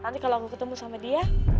nanti kalau aku ketemu sama dia